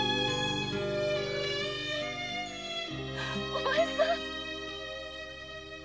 お前さん！